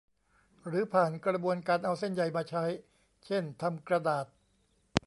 หรือผ่านกระบวนการเอาเส้นใยมาใช้ เช่นทำกระดาษ